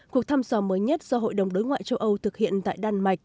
cuộc thăm sò mới nhất do hội đồng đối ngoại châu âu thực hiện tại đan mạch